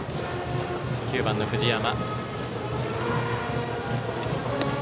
９番の藤山。